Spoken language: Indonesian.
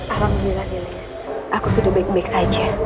alhamdulillah ilis aku sudah baik baik saja